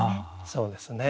そうですね。